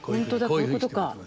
こういうことか。